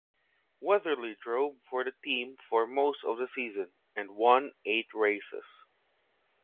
Weatherly drove for the team for most of the season, and won eight races.